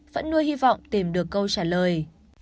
vẫn nuôi hy vọng tìm được câu trả lời